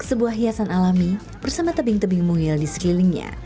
sebuah hiasan alami bersama tebing tebing mungil di sekelilingnya